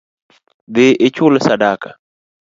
Dhii ichul sadaka